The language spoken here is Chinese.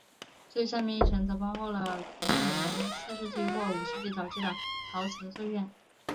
最上面一层则包括了公元四世纪或五世纪早期的陶瓷碎片。